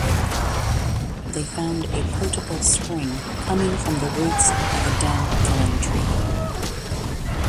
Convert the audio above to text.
They found a potable spring coming from the roots of a Dankalan Tree.